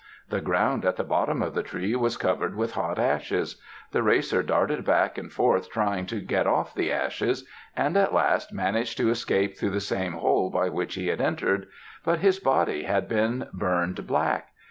The ground at the bottom of the tree was covered with hot ashes. The racer darted back and forth trying to get off the ashes, and at last managed to escape through the same hole by which he had entered. But his body had been burned black.